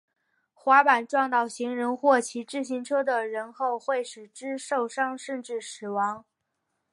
滑板撞到行人或骑自行车的人后会使之受伤甚至死亡。